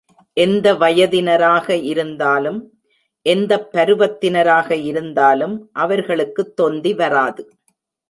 எந்த வயதினராக இருந்தாலும், எந்தப் பருவத்தினராக இருந்தாலும் அவர்களுக்குத் தொந்தி வராது.